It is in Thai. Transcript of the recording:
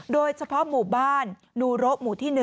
โดยเฉพาะหมู่บ้านนูโระหมู่ที่๑